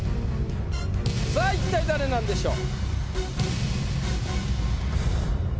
さぁ一体誰なんでしょう？